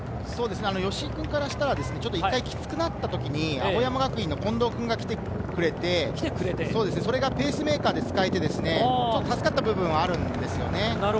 吉居君からしたら、一回きつくなったときに青山の近藤君が来てくれて、それがペースメーカーで使えて、ちょっと助かった部分はあるんですよね。